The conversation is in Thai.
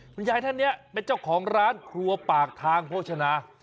คุณยายท่านนี้เป็นเจ้าของร้านครัวปากทางโภชนา